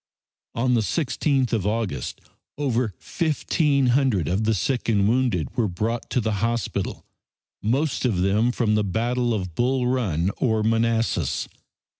On the 16th of August over fifteen hundred of the sick and wounded were brought to the hospital, most of them from the Battle of Bull Run or Manassas.